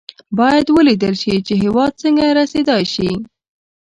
باید ولېدل شي چې هېواد څنګه رسېدای شي.